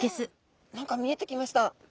何か見えてきました。